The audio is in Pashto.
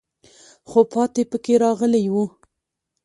خو پاتې پکې راغلی وو.